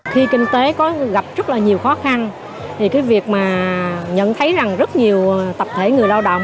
khi kinh tế có gặp rất là nhiều khó khăn thì cái việc mà nhận thấy rằng rất nhiều tập thể người lao động